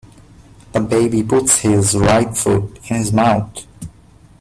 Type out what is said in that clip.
The baby puts his right foot in his mouth.